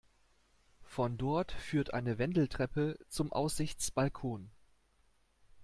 Von dort führt eine Wendeltreppe zum Aussichtsbalkon.